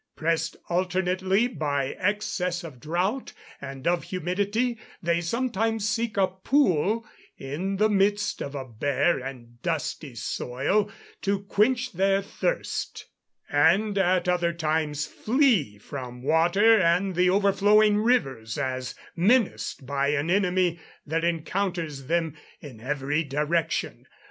Pressed alternately by excess of drought and of humidity, they sometimes seek a pool, in the midst of a bare and dusty soil, to quench their thirst; and at other times flee from water and the overflowing rivers, as menaced by an enemy that encounters them in every direction.